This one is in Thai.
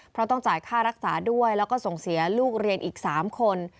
เพราะต้องจ่ายค่ารักษาด้วยแล้วก็ส่งเสียลูกเรียนอีก๓คน